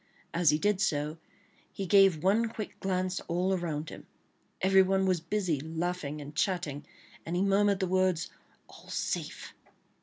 As he did so, he gave one quick glance all around him. Everyone was busy laughing and chatting, and he murmured the words "All safe!"